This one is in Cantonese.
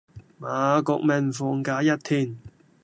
馬國明放假一天